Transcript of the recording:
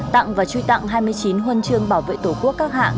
tặng và truy tặng hai mươi chín huân chương bảo vệ tổ quốc các hạng